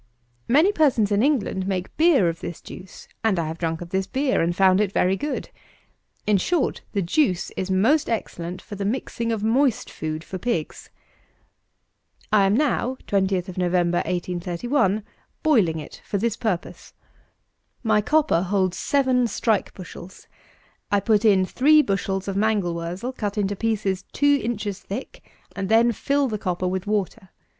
Many persons in England make beer of this juice, and I have drunk of this beer, and found it very good. In short, the juice is most excellent for the mixing of moist food for pigs. I am now (20th Nov. 1831) boiling it for this purpose. My copper holds seven strike bushels; I put in three bushels of mangel wurzel cut into pieces two inches thick, and then fill the copper with water.